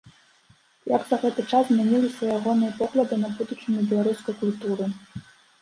Як за гэты час змяніліся ягоныя погляды на будучыню беларускай культуры?